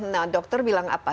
nah dokter bilang apa